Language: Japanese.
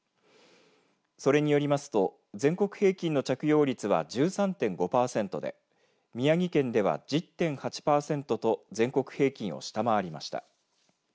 それによりますと全国平均の着用率は１３．５パーセントで宮城県では１０．８パーセントと全国平均を下回りました。